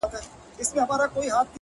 چي شال يې لوند سي د شړۍ مهتاجه سينه-